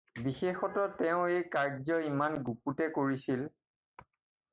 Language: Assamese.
বিশেষতঃ তেওঁ এই কাৰ্য্য ইমান গুপুতে কৰিছিল।